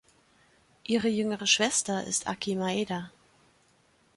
Ihre jüngere Schwester ist Aki Maeda.